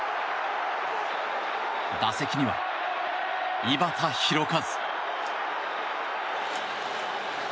打席には、井端弘和。